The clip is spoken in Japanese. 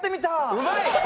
うまい！